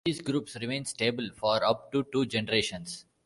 These groups remain stable for up to two generations.